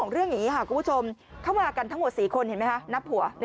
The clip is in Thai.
คุณผู้ชมบอกมีแต่เรื่องหวัดเสียวมาให้ดู